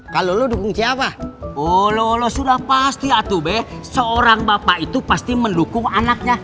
kalau lu dukung siapa oh lo sudah pasti atuh be seorang bapak itu pasti mendukung anaknya